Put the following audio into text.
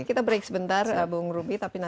kita break sebentar bu rupi